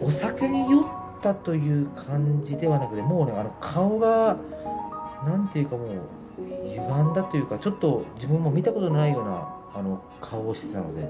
お酒に酔ったという感じではなくて、もう顔がなんていうか、もう、ゆがんだというか、ちょっと自分も見たことないような顔をしてたので。